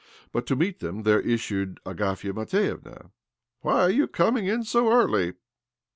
But to meet them,' there Ц issued Agafia Matvievna. :," Why are you coming in so early?